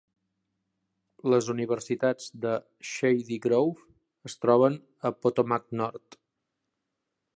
Les universitats de Shady Grove es troben a Potomac Nord.